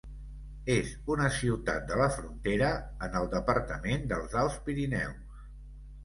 És una ciutat de la frontera, en el departament dels Alts Pirineus.